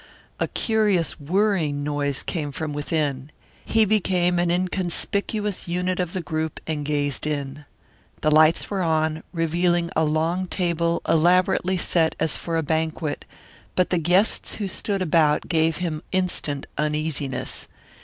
A curious whirring noise came from within. He became an inconspicuous unit of the group and gazed in. The lights were on, revealing a long table elaborately set as for a banquet, but the guests who stood about gave him instant uneasiness.